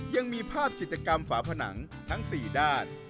ยังมีภาพจิตกรรมฝาผนังทั้ง๔ด้าน